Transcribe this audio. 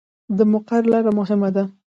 د مقر لاره مهمه ده